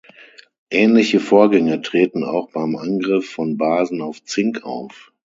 Ähnliche Vorgänge treten auch beim Angriff von Basen auf Zink auf.